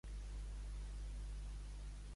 Saber l'andola per on va.